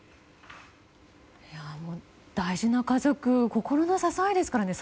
大事な家族心の支えですからね。